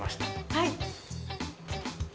はい。